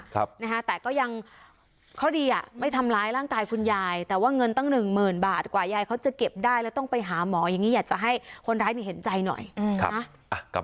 ครับนะฮะแต่ก็ยังเขาดีอ่ะไม่ทำร้ายร่างกายคุณยายแต่ว่าเงินตั้งหนึ่งหมื่นบาทกว่ายายเขาจะเก็บได้แล้วต้องไปหาหมออย่างงี้อยากจะให้คนร้ายเนี่ยเห็นใจหน่อยนะ